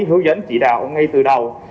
có hướng dẫn chỉ đạo ngay từ đầu